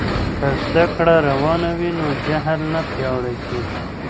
که زده کړه روانه وي نو جهل نه پیاوړی کېږي.